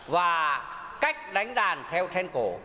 và cách đánh đàn theo then cổ